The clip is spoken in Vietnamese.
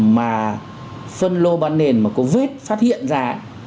mà phân lô bán nền mà covid phát hiện ra